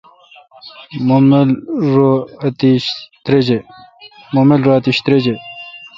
مہ مل رو اتیش تریجہ۔